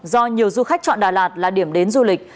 do nhiều du khách chọn đà lạt là điểm đến du lịch